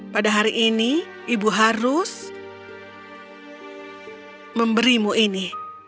pada hari ini ibu harus memberimu ini